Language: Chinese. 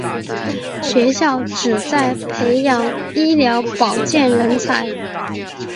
学校旨在培养医疗保健人才。